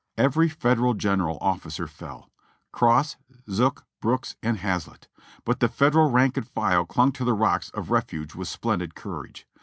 Every Federal general officer fell : Cross, Zook, Brooks, and Hazlett: but the Federal rank and file clung to the rocks of refuge with splendid courage.